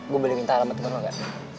gue boleh minta alamat kebun lo gak